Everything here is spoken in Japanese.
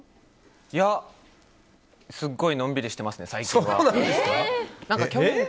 いや、すっごいのんびりしてますね、最近は。